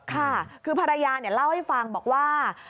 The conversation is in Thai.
ค่ะคือภรรยาเล่าให้ฟังบอกว่า